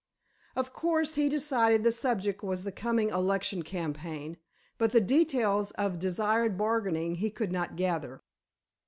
Of course, he decided, the subject was the coming election campaign, but the details of desired bargaining he could not gather.